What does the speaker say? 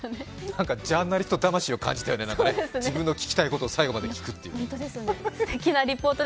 なんかジャーナリスト魂を感じましたね、自分の聞きたいことを最後まで聞くっていう。